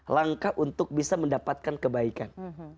langkah untuk bisa mendapatkan kebaikan